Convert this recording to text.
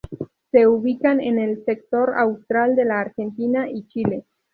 Se ubican en el sector austral de la Argentina y Chile.